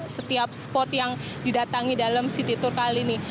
setiap spot yang didatangi dalam city tour kali ini